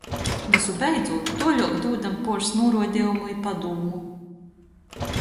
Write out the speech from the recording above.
Vysu beidzūt, tuoļuok dūdam puors nūruodejumu i padūmu.